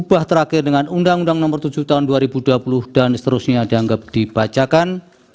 berubah terakhir dengan undang undang nomor tujuh tahun dua ribu dua puluh dan seterusnya dianggap dibacakan